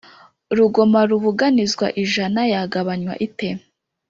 Rugoma rubuganizwa ijana yagabanywa ite?